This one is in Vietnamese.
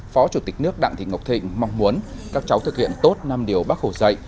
phó chủ tịch nước đặng thị ngọc thịnh mong muốn các cháu thực hiện tốt năm điều bác hồ dạy